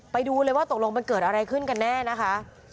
ไปดูเลยว่าตกลงมันเกิดอะไรขึ้นกันแน่นะคะ